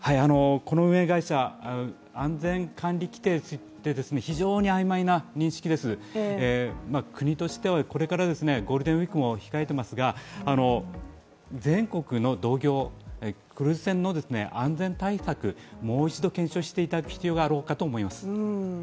この運営会社、安全管理規程について非常に曖昧な認識です、国としてはこれからゴールデンウイークも控えていますが全国の同業、クルーズ船の安全対策、もう一度検証していただく必要があろうかと思います。